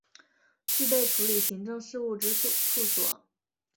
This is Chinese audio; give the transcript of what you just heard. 具备处理行政事务之处所